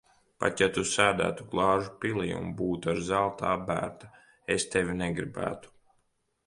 Pat ja Tu sēdētu glāžu pilī un būtu ar zeltu apbērta, es tevi negribētu.